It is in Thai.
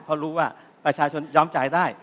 เพราะรู้ว่าประชาชนยอมจ่ายได้